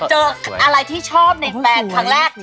เจออะไรที่ชอบในแฟนครั้งแรก